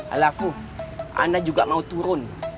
alafuh anda juga mau turun